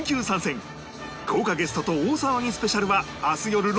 豪華ゲストと大騒ぎスペシャルは明日よる６時